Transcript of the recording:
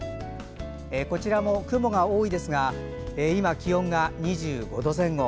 こちらも雲が多いですが今、気温が２５度前後。